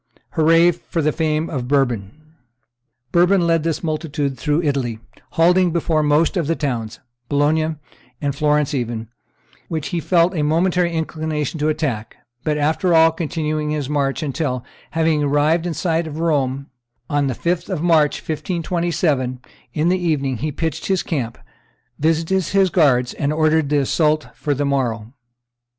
Hurrah! for the fame of Bourbon!" Bourbon led this multitude through Italy, halting before most of the towns, Bologna and Florence even, which he felt a momentary inclination to attack, but, after all, continuing his march until, having arrived in sight of Rome on the 5th of March, 1527, in the evening, he had pitched his camp, visited his guards, and ordered the assault for the morrow.